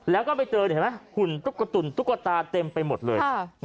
แล้วก็ไปเจอเห็นไหมหุ่นตุ๊กกระตุ่นตุ๊กตาเต็มไปหมดเลย